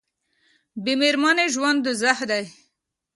بې میرمنې ژوند دوزخ دی